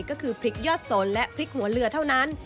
ก็คือพริกยอดสนและพริกหัวเรือเท่านั้น